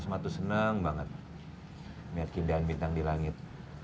asma itu senang banget lihat keindahan bintang di langit